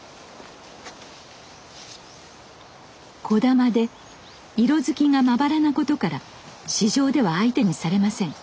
小玉で色づきがまばらなことから市場では相手にされません。